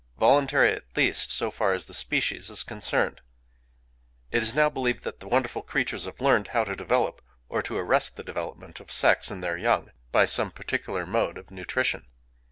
_ Voluntary, at least, so far as the species is concerned. It is now believed that these wonderful creatures have learned how to develop, or to arrest the development, of sex in their young,—by some particular mode of nutrition.